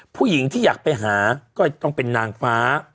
ผู้หญิงที่อยากไปหาก็ต้องเป็นนางฟ้า